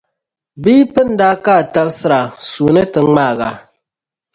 Bɛ yi pinda a ka a tabisira, sua ni ti ŋmaag’ a.